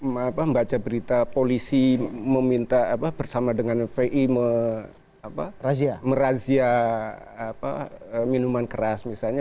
membaca berita polisi bersama dengan v i merajia minuman keras misalnya